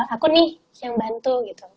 akun nih yang bantu